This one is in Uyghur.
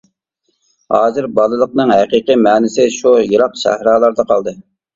ھازىر بالىلىقنىڭ ھەقىقىي مەنىسى شۇ يىراق سەھرالاردا قالدى.